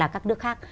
các nước khác